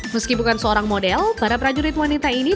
meski bukan seorang model para prajurit wanita ini